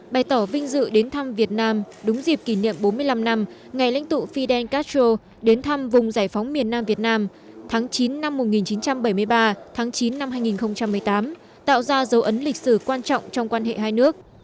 bày tỏ vinh dự đến thăm việt nam đúng dịp kỷ niệm bốn mươi năm năm ngày lãnh tụ fidel castro đến thăm vùng giải phóng miền nam việt nam tháng chín năm một nghìn chín trăm bảy mươi ba tháng chín năm hai nghìn một mươi tám tạo ra dấu ấn lịch sử quan trọng trong quan hệ hai nước